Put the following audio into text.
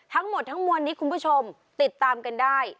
ทั้งหมดทั้งมวลนี้คุณผู้ชมติดตามกันได้